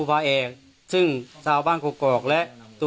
ข้าพเจ้านางสาวสุภัณฑ์หลาโภ